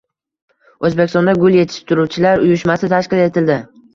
O‘zbekistonda Gul yetishtiruvchilar uyushmasi tashkil etildi